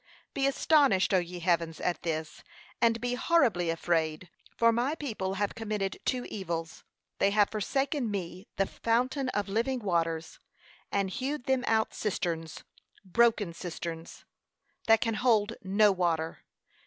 'Be astonished, O ye heavens, at this! and be horribly afraid, for my people have committed two evils; they have forsaken me the fountain of living waters, and hewed them out cisterns, broken cisterns, that can hold no water.'